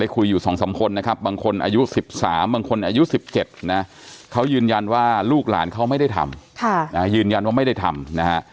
คุยอยู่๒๓คนนะครับบางคนอายุ๑๓บางคนอายุ๑๗นะเขายืนยันว่าลูกหลานเขาไม่ได้ทำยืนยันว่าไม่ได้ทำนะฮะ